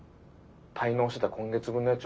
滞納してた今月分の家賃